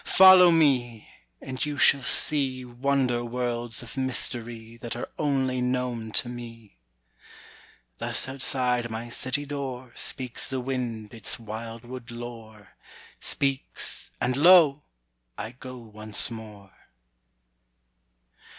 "Follow me! and you shall see Wonder worlds of mystery That are only known to me!" Thus outside my city door Speaks the Wind its wildwood lore, Speaks and lo! I go once more.